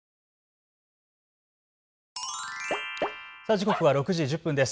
時刻は６時１０分です。